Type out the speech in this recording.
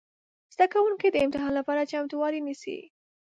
زده کوونکي د امتحان لپاره چمتووالی نیسي.